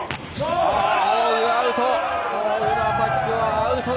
アウト。